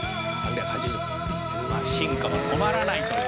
「まあ進化は止まらないという」